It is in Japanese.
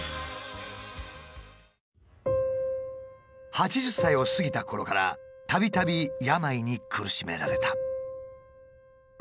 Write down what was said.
８０歳を過ぎたころからたびたび病に苦しめられた。